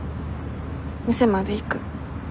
店まで行く。